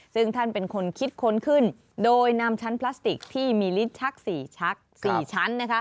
ซึ่งท่านเป็นคนคิดค้นขึ้นโดยนำชั้นพลาสติกที่มีลิ้นชัก๔ชัก๔ชั้น